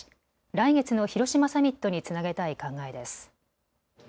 来月の広島サミットにつなげたい考えです。